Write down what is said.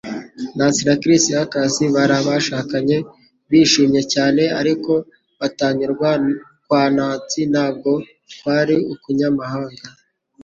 Nancy na Chris Hughes bari abashakanye bishimye cyane, ariko kutanyurwa kwa Nancy ntabwo kwari ukunyamahanga.